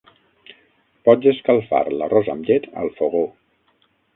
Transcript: Pots escalfar l'arròs amb llet al fogó